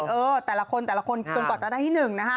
ก็แต่ละคนแต่ละคนตรงกว่าจะได้ที่หนึ่งนะฮะ